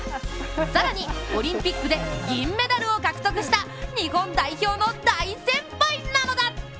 更に、オリンピックで銀メダルを獲得した日本代表の大先輩なのだ。